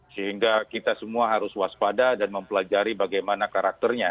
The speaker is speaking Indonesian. sehingga kita semua harus waspada dan mempelajari bagaimana karakternya